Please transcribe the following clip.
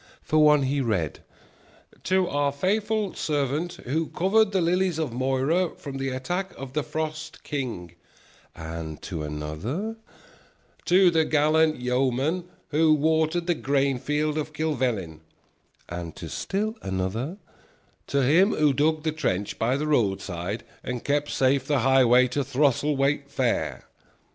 For one he read: "To our faithful servant who covered the lilies of Moira from the attack of the Frost King"; and to another: "To the gallant yeoman who watered the grain field of Kilvellin"; and to still another: "To him who dug the trench by the roadside and kept safe the highway to Throselwait Fair."